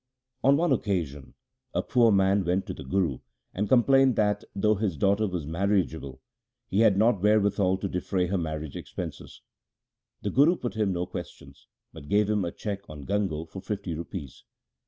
On one occasion a poor man went to the Guru and complained that, though his daughter was marriageable, he had not wherewithal to defray her marriage expenses. The Guru put him no questions, but gave him a cheque on Gango for fifty rupees.